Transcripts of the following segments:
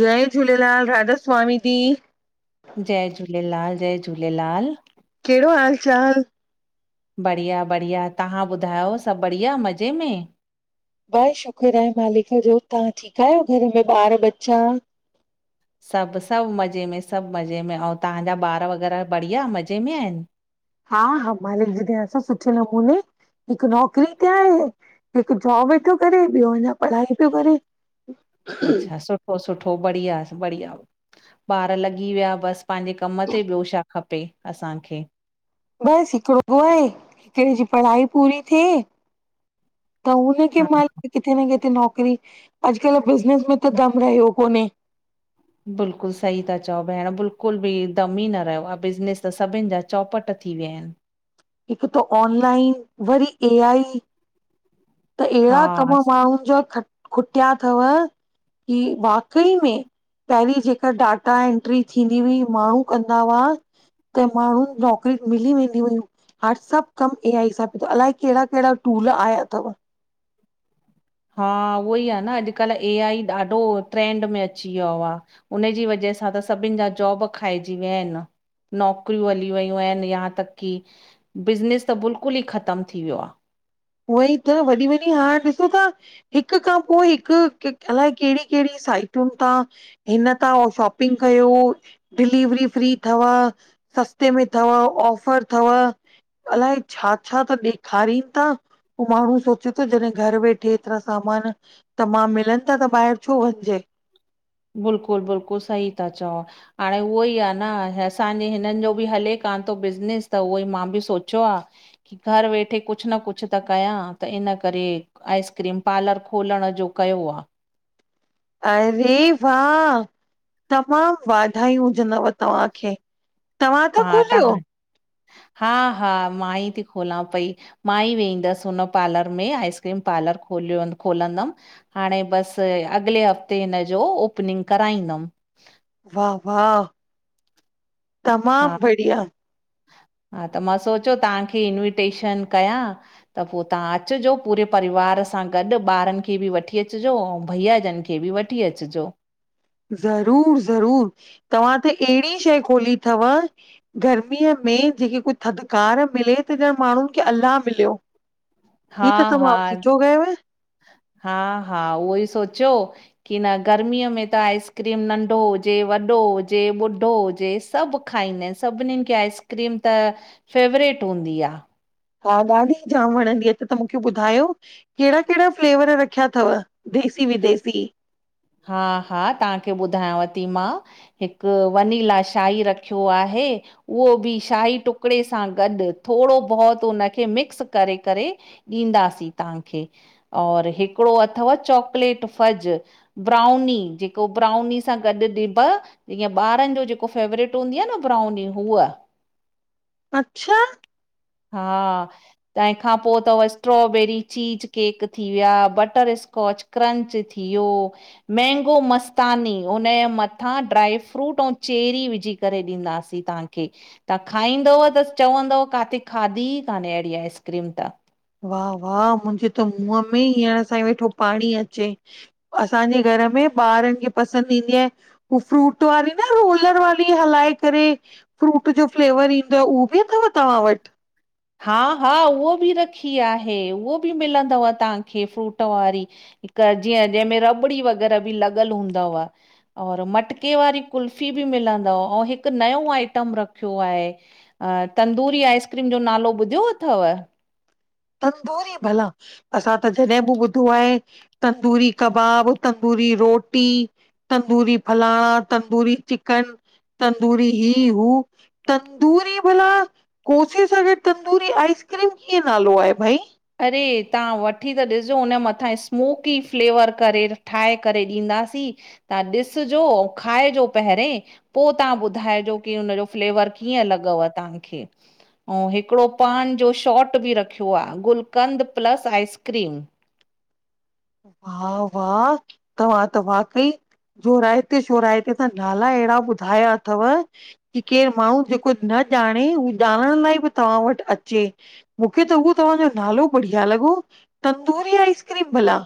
जय झूलेलाल राधा स्वामी दी। जय झूलेलाल जय झूलेलाल। केहड़ो हाल चाल? बढ़िया बढ़िया तांहां ॿुधायो सभ बढ़िया मज़े में? बस शुकु्र आहे मालिक जो तांहा ठीक आयो घर में ॿार बच्चा? सभ सभ मज़े में सभ मज़े में आऊ तांजा ॿार वग़ैरह बढ़िया मज़े में आहिन? हा हा मालिक जॾेया सुठे नमूने हिक नौकरी कंहे। हिक जॉब ई तो करे ॿियो अञा पढ़ाई प्यो करे। अच्छा सुठो सुठो बढ़िया बढ़िया ॿार लॻी विया बस। पाँजे कम ते ॿियो छा खपे असांखे। बस हिकड़ो तो आहे तिंजी पढ़ाई पूरी थिए त हुन। के हा म किथे न किथे नौकरी अॼकल्ह बिज़नस में त दम रहियो कोन्हे। बिल्कुल सही ता चओ भेण बिल्कुल बि दम ई न रहियो आ बिज़नेस त सभिन जा चौपट थी विया आहिन। हिक त ऑनलाइन वरी ए आई। त एहड़ा कम हा माण्हुन जा ख खुटिया थव की बाक़ई में। पहिरीं जेका डाटा एंट्री थींदी हुई माण्हू कंदा हुआ। त माण्हुन नौकरी मिली वेंदी हुयूं। हर सभ कम ऐ आई हिसाब अलहाए केंहड़ा केहड़ा टूल आया अथव। हा उहो ई आह न अॾकल्ह ए आई ॾाढो ट्रेंंड में अचीयोआ। हुनन जी वजह सां त सभिन जा जॉब खाइजी वया आहिन। नौकरियूं हली वयूं आहिन यांहा तक की बिज़नेस त बिल्कुल ई ख़तम थी वयो आ। उअ ई त वॾी वॾी हा ॾिसो था। हिक खां पो हिक अलाए केंहड़ी केहड़ी साइटुन तां। हिन तां उ शॉपिंग कयो डिलिवरी फ्री थव। सस्ते में थव ऑफर थव अलाए छा छा ता ॾेखारीन ता। पो माण्हू सोचे थो जॾेह घर वेठे एतरा सामान तमाम मिलन था त ॿाहिर छो वञजे। बिलकुल बिल्कुल सही ता चओ। हाणे उहोई आ न असांजे हिनन जो बि हले कान थो बिज़नेस त उहो ई मां बि सोचो आ। की घर वेठे कुछ न कुछ त कयां त इन करे। आइस्क्रीम पालर खोलण जो कयो आ। अरे वाह! तमाम वाधायूं हुजंदव तव्हांखे। तव्हां था हा तां खोलियो हा हा मां ई थी खोलां पई। मां ई वेंदस हुन पार्लर में आइस्क्रीम पार्लर खोलियो खोलंदम। हाणे बस अॻले हफ़्ते हिन जो ओपनिंग कराईंदम। हाँ हाँ, हा तमाम बढ़िया। हा त मां सोचो तांखे इंविटेशन कयां। त पो तां अचजो पूरे परिवार सां गॾ ॿारन खे बि वठी अचजो भैया जन खे बि वठ। वठी अचजो। ज़रूर ज़रूर तव्हां त एहड़ी शइ खोली थव। गर्मीअ में जेके कोई थधकार मिले त ॼण माण्हुन खे अल्लाह मिल्यो। हा इ त तमाम हा सी चोगय वय। हा हा उहो ई सोच्यो। की न गर्मीअ में त आइस्क्रीम नंढो हुजे वॾो हुजे ॿुढो हुजे सभ। खाईंदाइन सभनिंनखे आइस्क्रीम त फेवरेट हूंदी आ। हा ॾादी जाम वणंदी आ त तां मूंखे ॿुधायो। केहड़ा केहदा फ्लेवर रखिया थव देसी विदेसी? हा हा तव्हांखे ॿुधायांव थी मां हिकु वनीला शाही रखियो आहे। उहो बि शाही टुकड़े सां गॾु थोरो बहुत उनखे मिक्स करे करे ॾींदासीं तव्हांखे और हिकिड़ो अथव चॉकलेट फज ब्राउनी जेको ब्राउनी सां गॾु ॾिब जीअं ॿारनि जो जेको फेवरेट हूंदी आहे न ब्राउनी उअ अचछा हा तंहिंखां पोइ अथव स्ट्रोबेरी चीज केक थी विया बटर स्कॉच क्रंच थी वियो मेंगो मस्तानी उनजे मथां ड्राईफ्रूट ऐं चेरी विझी करे ॾींदासीं तव्हांखे तव्हां खाईंदव त चवंदव काथे खाधी ई कान्हे अहिड़ी आइस्क्रीम त वाह वाह मुंहिंजे त मुंहं में हींअर सां ई वेठो पाणी अचे। असांजे घर में ॿारनि खे पसंदि ईंदी आहे। उह फ्रूट वारी न रोलर वारी हलाए करे। फ्रूट जो फ्लेवर ईंदोव उहो बि अथव तव्हां वटि हा हा उहो बि रखी आहे उहो बि मिलंदव तव्हांखे फ्रूट वारी घर जी जंहिंमें रबड़ी वग़ैरह बि लॻल हूंदा हुआ। और मटके वारी कुल्फी बि मिलंदव ऐं हिकु नओ आइटम रखियो आहे। तंदूरी आइस्क्रीम जो नालो ॿुधियो अथव? तंद दूरी बला असां त जॾहिं बि ॿुधो आहे तंदूरी कबाब तंदूरी रोटी तंदूरी फलाणा तंदूरी चिकन तंदूरी ई हू तंदूरी भला कोसे संगे तंदूरी आइस्क्रीम कीअं नालो आहे भाई? अरे तव्हां वठी त ॾिसो हुनजे मथां स्मूकी फ्लेवर करे ठाहे करे ॾींदासीं। तव्हां ॾिसजो ऐं खाइजो पहिरें। पोइ तव्हां ॿुधाइजो की हुनजो फ्लेवर कीअं लॻव तव्हांखे? ऐं हिकिड़ो पान जो शॉट बि रखियो आहे गुलकंद प्लस आइसक्रीम। वाह वाह तव्हां त वाकई जोराएते जोोराएते त नाला अहिड़ा ॿुधाया अथव। की केरु माण्हू जेको न ॼाणे उह ॼाणण लाइ बि तव्हां वटि अचे। मूंखे त उहो तव्हांजो नालो बढ़िया लॻो तंदूरी आइस्क्रीम भला।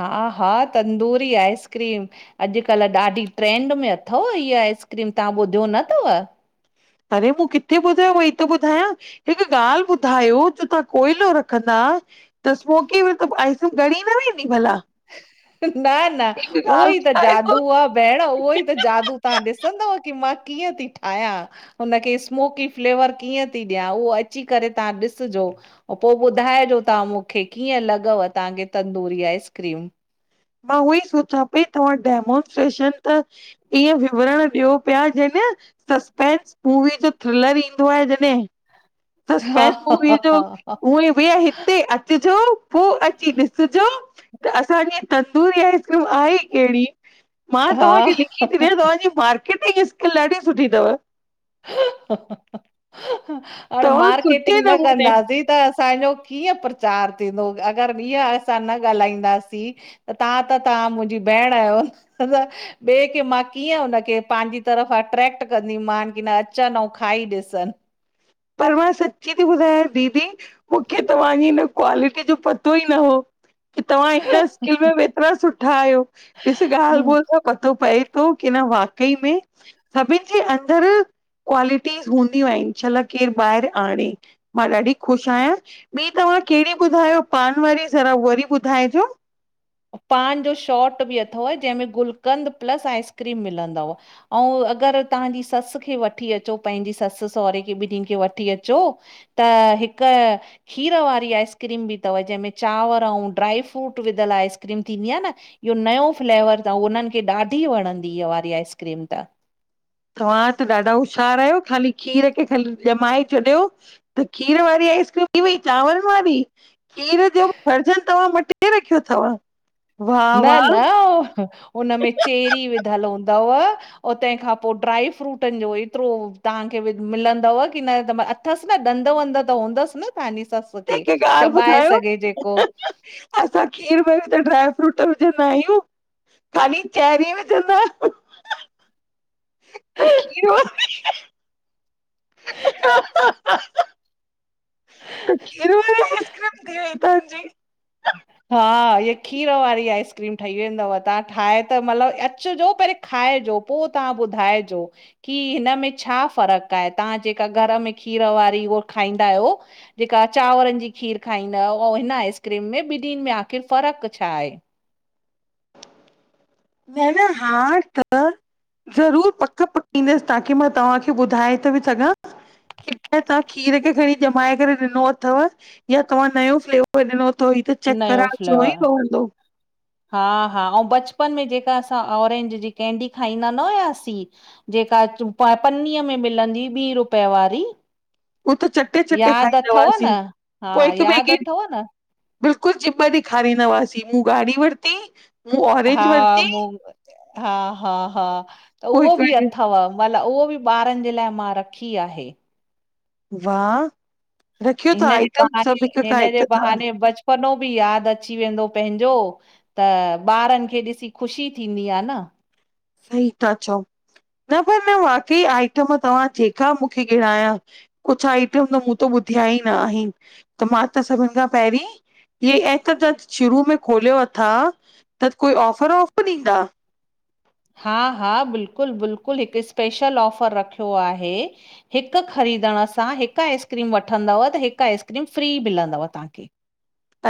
हा हा तंदूरी आइस्क्रीम। अॼुकल्ह ॾाढी ट्रैंड में अथव इीअ आइस्क्रीम तव्हां ॿुधियो न अथव? अरे मूं किथे ॿुधयो व ई थो ॿुधायां। हिकु ॻाल्हि ॿुधायो जो तव्हां कोयलो रखंदा त स्मोकींग में त आइस ॻरी न वेंदी भला न न हिकु उहो ॻाल्हि ई त जादू ॿुधायो आहे भेण उहो ई त जादू तव्हां ॾिसंदव की मां कीअं थी ठाहियां। हुनखे स्मोकी फ्लेवर कीअं थी ॾियां उहो अची करे तव्हां ॾिसिजो। पोइ ॿुधाइजो तव्हां मूंखे कीअं लॻव तव्हांखे तंदूरी आइस्क्रीम? मां उहो ई सोचियां पई तव्हां डेमोनस्ट्रेशन त ईअं विवरण ॾियो पिया जॼनि सस्पेंस मूवी जो थ्रिलर ईंदो आहे जॾहिं। हा हा हा [unintelligible] भैया हिते अचजो पो अची ॾिसजो त असांजी तंदूरी आइस्क्रीम आहे केहड़ी मां हा तव्हांखे लिखी थी ॾिया तव्हांजी मार्केटिंग स्किल ॾाढी सुठी तव। हाणें तव्हां सुठे मार्केटिंग न नमूने कंदासे त असांजो कीअं प्रचार थींदो। अगर इहा असां न ॻाल्हाईंदासीं त तव्हां त तव्हां मुंहिंजी भेंण आहयो ॿॿेए खे मां कीअं हुनखे पांजी तरफ़ अट्रेक्ट कंदीमान की न अचन अंऊ खाई ॾिसन। पर मां सच्ची ती ॿुधायांव दीदी मूंखे तव्हांजी हिन क्वालिटी जो पतो ई न हो की तव्हां हिन स्किल में एतरा सुठा आहयो ॾिस ॻाल्ह ॿोल त पतो पए की न वाकई में सभिन जे अंदर क्वालिटीस हूंदियूं आहिन छलक के बाहेर आडें मां ॾाढी ख़ुश आहयां। ॿीं तव्हां केहड़ी ॿुधायो पान वारी ज़रा वरी ॿुधाइजो। पान जो शॉट बि अथव जेंहमें गुलकंद प्लस आइस्क्रीम मिलंदव। अंऊ अगर तव्हांजी सस खे वठी अचो पंहिंजी सस सहुरे खे ॿिन्नि खे वठी अचो त हिक खीर वारी आइस्क्रीम बी तव जेंहमें चांवर अंऊ ड्राई फ्रूट विधल आइस्क्र आइस्क्रीम थींदी आह न। इहो नयो फ्लेवर तव उन्हन खे ॾाढी वणंदी इहा वारी आइस्क्रीम त। तव्हां त ॾाढा हुशार आहयो। ख़ाली खीर खे खाली ॾमाए छॾयो त खीर वारी आइसक्रीम थी वई चांवर वारी खीर जो भर्जन तव्हां मटे रखयो तव। न न हुनमें चेरी विधल हूंदव। तेंहिखां पो ड्राई फ्रूटन जो एतरो तव्हांखे बी मिलंदव की न त अथस न दंद वंद त हूंदस न तव्हांजी सस खे जेके ॻाल्हि चॿाए ॿुधायो सघे जेको? असां खीर में त ड्राय फ्रूट विझंदा आहियूं। [unintelligible] खीर वारी हा हा हा त खीर वारी आइसक्रीम थी वई तव्हांजी। हा हीअ खीर वारी आइस्क्रीम ठही वेंदव। तव्हां ठाहे त मतलब अचजो पेहरी। खाएजो पो तव्हां ॿुधाएजो। की हिन में छा फर्क आहे तव्हां जेका घर में खीर वारी उहा खाईंदा आहयो। जेका चांवरन जी खीर खाईंदा आहयो ऐं हिन आइस्क्रीम में ॿिन्नि में आखिर फर्क छा आहे? न- न हार त ज़रूर पक पकिंदस ताकी मां तव्हांखे ॿुधाए थी बी सघां। क [unintelligible] तव्हां खीर खे खणी ॾमाए करे ॾिनो अथव या तव्हां नयो फ्लेवर ॾिनो तव ही त चेक नयो कराइ अचणो फ्लेवर ई पवंदो। हा -हा अंऊ बचपन में जेका असां ऑरेंज जी केंडी खाईंदा न हुयासीं जेका [unintelligible] पन्नीअ में मिलंदी ॿी रुपए वारी। हो त चटे -चटे यादि खाईंदा अथव न हुआसीं। हा पो हिक ॿे यादि खे अथव न बिल्कुल जीब ॾेखारींदा हुआवासी। मूं ॻाढ़ी वरती मूं हा ऑरेंज वरती मूं हा हा हा त पो उहो हिक बि ॿिए खे अथव [unintelligible] उहो बी ॿारन जे लाए मां रखी आहे। वाह रखयो त हिन जे आइटम सभ हिक खां हिक तव। पनो बी याद अची वेंदो पंहेंजो। त, ॿारन खे ॾिसी, ख़ुशी थींदी आ न। सही ता चौ, न पर न वाकई आइटम तव्हां जेका मूंखे ॻिणाया कुछ आइटम त मूं त ॿुधया ई न आहिन, त मां त सभिन खां पहरीं ही एप त शुरू में खोलियो अथा, त कोई ऑफर वाफर ईंदा? हा हा, बिल्कुल बिल्कुल, हिक स्पेशल ऑफर रखयो आहे। हिक ख़रीदण सां, हिक आइस्क्रीम वठंदव त हिक आइस्क्रीम फ्री मिलंदव तहांखे।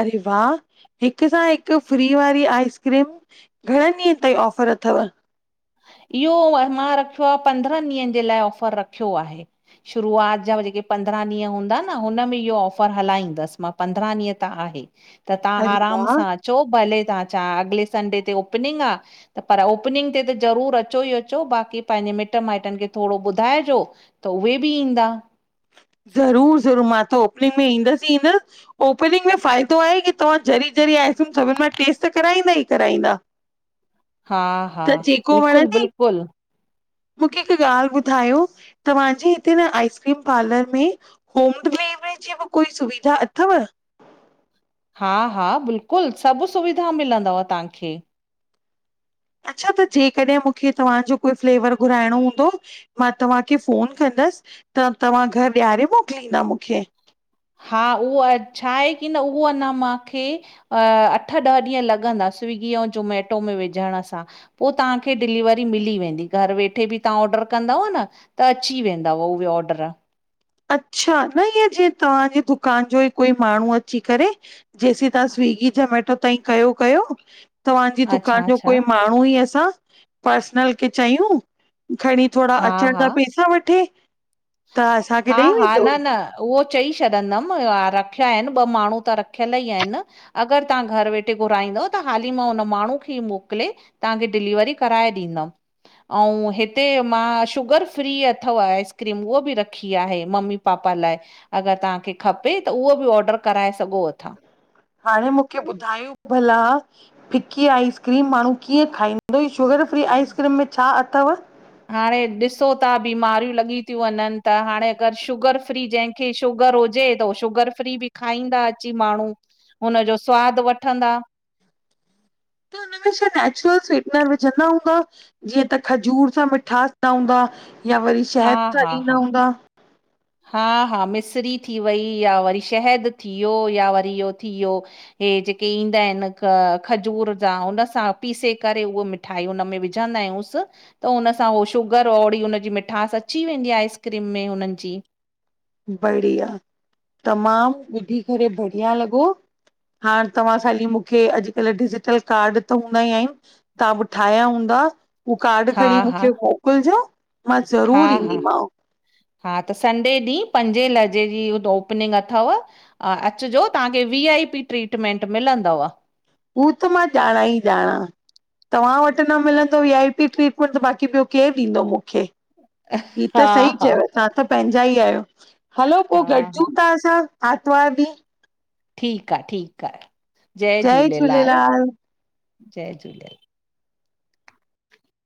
अरे वाह! हिक सां हिक फ्री वारी आइसक्रीम घणन ॾींहंन ताईं ऑफर अथव? इहो मां रखयो आ, पंद्रहन ॾींहन जे लाइ ऑफर रखयो आहे। शुरूआत जा जेके पंद्रहां ॾींहं हूंदा न, हुनमें इहो ऑफर हलाईंदस मां। पंद्रहां ॾींहं त आहे, त तहां अरे आराम वाह सां अ अचो भले तहां, चा अॻले संडे ते ओपनिंग आ, त पर ओपनिंग ते त ज़रूरु अचो ई अचो, बाक़ी पांजे मिट माइटन खे थोड़ो ॿुधाइजो, त उहे बि ईंदा। ज़रूर ज़रूर, मां त ओपनिंग में ईंदस ई ईंदस ओपनिंग में फ़ाइदो आहे की, तव्हां जरी जरी आइस्क्रीम सभिन मां टेस्ट त कराईंदा ई कराईंदा। हा हा, त बिल्कुल बिल्कुल। मूखे हिक ॻाल्हि ॿुधायो, तव्हांजे हिते न आइसक्रीम पार्लर में, होम डिलेवरी जी बि कोई सुविधा अथव? हा हा, बिल्कुल सभु सुविधा मिलंदव तांखे। अच्छा, त जेकॾहिं मूखे, तव्हांजो कोई फ़्लेवर घुराइणो हूंदो मां तव्हांखे फ़ोन कंदस, त तव्हां घर ॾयारे मोकिलींदा मूखे? हा, उहो अ छाहे की न उहो अञा माखे अ अठ ॾह ॾींहं लॻंदा, स्विगी ऐं जोमेटो में विझण सां। पो तहांखे, डिलीवरी मिली वेंदी, घर वेठे बि तहां ऑडर कंदव न। त अची वेंदाव, उहे ऑडर। अच्छा, न ईअं जीअ तव्हांजी दुकान जो ई कोई माण्हूं अची करे जेसीं तव्हां स्विगी जोमेटो ताईं कयो कयो तव्हांजी दुकान अच्छा जो कोई अच्छा माण्हूं ई असां, पर्सनल खे चयूं, खणी थोड़ा हा अचण हा जा पेसा वठे, त असांखे हा ॾेई हा, न वेंदो? न, उहो चई छॾंदम रख्या एन, ॿ माण्हूं त रख्यल ई एन। अगर तहां घर वेठे घुराईंदव, त हाली मां हुन माण्हूं खे ई मोकले तहांखे डिलीवरी कराए ॾींदम। अऊं हिते मां, शुगर फ्री अथव आइस् क्रीम, उहा बि रखी आहे, मम्मी पापा लाइ। अगर तहांखे खपे, त उहो बि ऑडर कराए सघो अथा। हाणे मूंखे ॿुधायो भला? फिक्की आइसक्रीम माण्हूं कीअं खाईंदो, शुगर फ्री आइसक्रीम में छा अथव? हाणे ॾिसो ता, बीमारयूं लॻी त्यूं वञन, त हाणे अगर शुगर फ्री जंहिं खे, शुगर हुजे, त हू शुगर फ्री बि खाईंदा अची माण्हूं। उनजो स्वाद वठंदा। त उनमें छा नैचुरल स्वीटनर विझंदा हूंदव? जीअं त खजूर सां मिठास पवंदो आ, या वरी हा शहद सां हा हा ॾींदा हूंदा। हा हा, मिसरी थी वई, या वरी शहद थीयो या वरी इहो थीयो हे जेके ईंदा एन, खजूर जा उन सां पीसे करे उहो मि ठाई, उन में विझंदयूंस। त हुन सां हो शुगर ओड़ी हुनजी मिठास अची वेंदी आहे आइसक्रीम में हुननि जी बढ़िया तमामु ॿुधी करे बढ़िया लॻो हाण तव्हां ख़ाली मूंखे अॼुकल्ह डिजटल कार्ड त हूंदा ई आहिन तव्हां बि ठाहिया हूंदा। [unintelligible] उ कार्ड हा खणी हा मूंखे मोकिलिजो मां हा ज़रूरु हा ईंदीमांव। हा त संडे ॾींहुं पंजे लॻे जी त ओपनिंग अथव। ह अचिजो तव्हांखे वी आई पी ट्रीटमेंट मिलंदव। हू त मां ॼाणा ई ॼाणा। तव्हां वटि न मिलंदो वी आई पी ट्रीटमेंट त बाक़ी ॿियो केरु ॾींदो मूंखे। हीअ त हा सही हा चयो तव्हां त पंहिंजा ई आहियो हलो हा पोइ गॾिजूं हा था असां आतवार ॾीहुं ठीकु आहे ठीकु आहे जय झूलेलाल जय झूलेलाल।